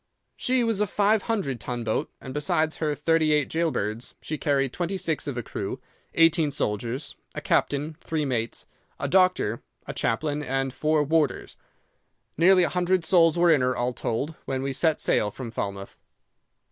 She was a five hundred ton boat, and besides her thirty eight gaol birds, she carried twenty six of a crew, eighteen soldiers, a captain, three mates, a doctor, a chaplain, and four warders. Nearly a hundred souls were in her, all told, when we set sail from Falmouth.